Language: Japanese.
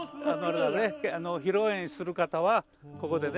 披露宴する方はここでね。